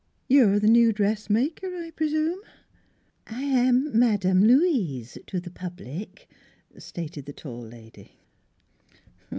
" You're th' new dressmaker, I p'rsume? "" I am Madame Louise to the public," stated the tall lady.